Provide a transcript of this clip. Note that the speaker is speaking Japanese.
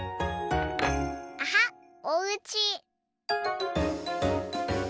アハッおうち。